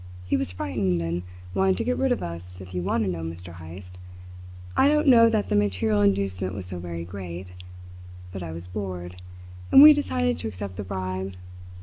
He was frightened, and wanted to get rid of us, if you want to know, Mr. Heyst. I don't know that the material inducement was so very great, but I was bored, and we decided to accept the bribe.